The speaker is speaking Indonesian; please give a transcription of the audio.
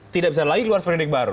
tidak bisa lagi luas perindik baru